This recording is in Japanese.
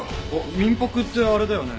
民泊ってあれだよね？